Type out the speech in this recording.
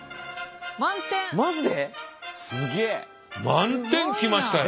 満点来ましたよ。